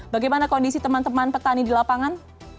bagaimana kondisi teman teman petani di lapangan